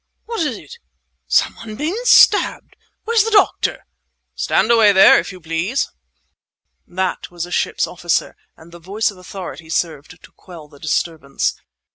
"What is it—?" "Someone been stabbed!" "Where's the doctor?" "Stand away there, if you please!" That was a ship's officer; and the voice of authority served to quell the disturbance.